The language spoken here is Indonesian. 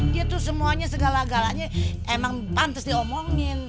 dia tuh semuanya segala galanya emang pantas diomongin